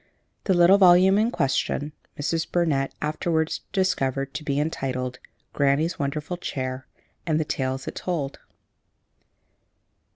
'" The little volume in question Mrs. Burnett afterwards discovered to be entitled "Granny's Wonderful Chair and the Tales it Told."